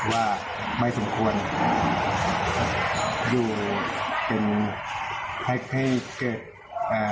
ว่าไม่สมควรอยู่เป็นให้ให้เกิดอ่า